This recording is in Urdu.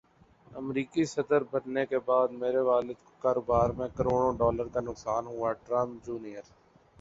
امریکی صدربننے کےبعد میرے والد کوکاروبار میں کروڑوں ڈالر کا نقصان ہوا ٹرمپ جونیئر